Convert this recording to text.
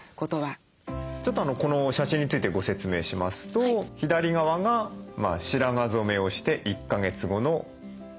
ちょっとこの写真についてご説明しますと左側が白髪染めをして１か月後の写真。